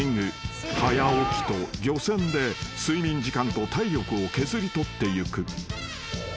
［早起きと漁船で睡眠時間と体力を削り取っていく］